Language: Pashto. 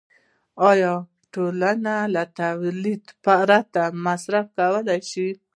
آیا ټولنه له تولید پرته مصرف کولی شي